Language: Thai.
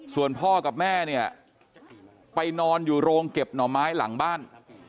ส่วนพ่อกับแม่เนี่ยไปนอนอยู่โรงเก็บหน่อไม้หลังบ้าน